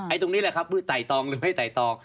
ตรงนี้แหละครับคือไต่ตองหรือไม่ไต่ตอง